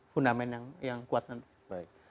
fundament yang kuat nanti